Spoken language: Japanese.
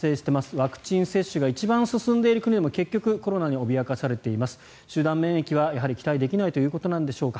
ワクチン接種が一番進んでいる国でも結局コロナに脅かされている集団免疫はやはり期待できないということでしょうか。